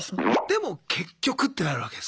でも結局ってなるわけですか。